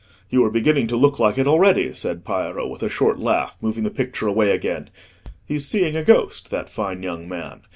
"You are beginning to look like it already," said Piero, with a short laugh, moving the picture away again. "He's seeing a ghost—that fine young man.